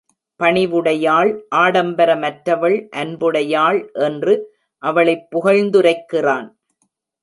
பணிவுடையாள், ஆடம்பரமற்றவள், அன்புடையாள் என்று அவளைப் புகழ்ந்துரைக்கிறான்.